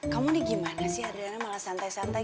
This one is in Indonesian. kamu ini gimana sih ardiana malah santai santai